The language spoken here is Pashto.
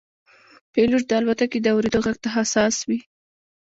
پیلوټ د الوتکې د اورېدو غږ ته حساس وي.